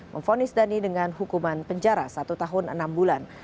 memfonis dhani dengan hukuman penjara satu tahun enam bulan